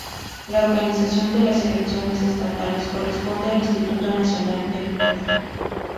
La organización de las Elecciones estatales corresponde al Instituto Nacional Electoral.